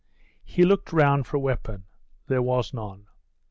He looked round for a weapon. There was none.